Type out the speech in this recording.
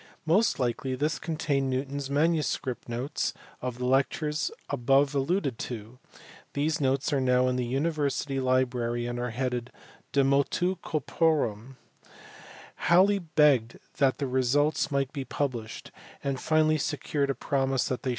Most likely this contained Newton s manuscript notes of the lectures above alluded to : these notes are now in the University Library and are headed u De Motu Corporum" Halley begged that the results might be pub lished, and finally secured a promise that they shou!